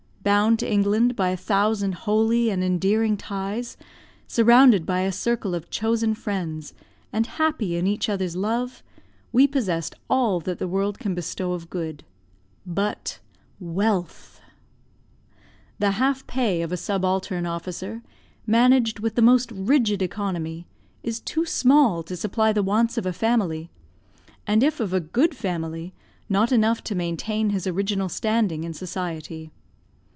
Bound to England by a thousand holy and endearing ties, surrounded by a circle of chosen friends, and happy in each other's love, we possessed all that the world can bestow of good but wealth. The half pay of a subaltern officer, managed with the most rigid economy, is too small to supply the wants of a family; and if of a good family, not enough to maintain his original standing in society.